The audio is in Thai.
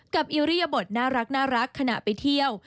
อิริยบทน่ารักขณะไปเที่ยว